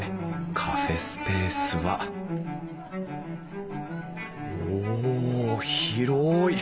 カフェスペースはおお広い！